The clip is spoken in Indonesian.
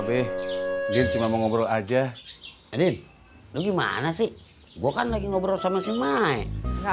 beb cuman mau ngobrol aja adik lu gimana sih gua kan lagi ngobrol sama si mai nggak